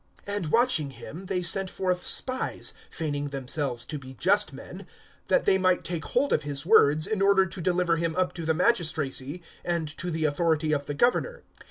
(20)And watching him[20:20], they sent forth spies, feigning themselves to be just men, that they might take hold of his words, in order to deliver him up to the magistracy, and to the authority of the governor.